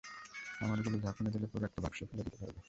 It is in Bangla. আমারগুলো ঝাঁকুনি দিলে, পুরো একটা বাক্স ফেলে দিতে পারব।